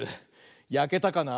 やけたかな。